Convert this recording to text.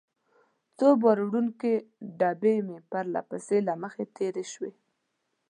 څو بار وړونکې ډبې مې پرله پسې له مخې تېرې شوې.